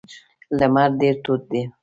لمر ډیر تود و.